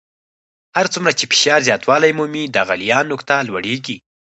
هر څومره چې فشار زیاتوالی مومي د غلیان نقطه لوړیږي.